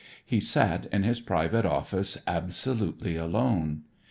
He sat in his private office absolutely alone.